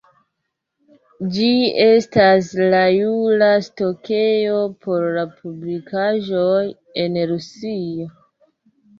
Ĝi estas la jura stokejo por la publikaĵoj en Rusio.